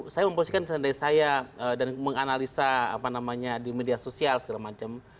saya mempunyai dan menganalisa di media sosial segala macam